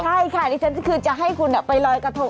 ใช่ค่ะดิฉันคือจะให้คุณไปลอยกระทง